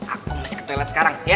aku mesti ke toilet sekarang